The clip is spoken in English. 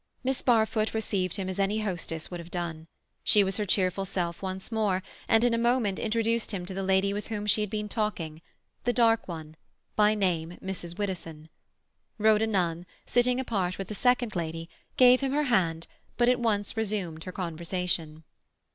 Miss Barfoot received him as any hostess would have done. She was her cheerful self once more, and in a moment introduced him to the lady with whom she had been talking—the dark one, by name Mrs. Widdowson. Rhoda Nunn, sitting apart with the second lady, gave him her hand, but at once resumed her conversation.